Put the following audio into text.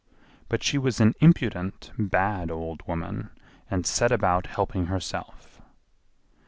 But she was an impudent, bad old woman, and set about helping herself.